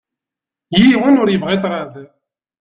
Yiwen ur yebɣi ṭṭraḍ.